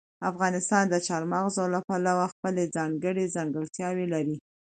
افغانستان د چار مغز له پلوه خپله ځانګړې ځانګړتیاوې لري.